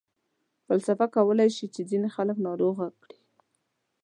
فلسفه کولای شي چې ځینې خلک ناروغه کړي.